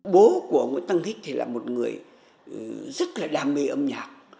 bố của nguyễn tăng hích thì là một người rất là đam mê âm nhạc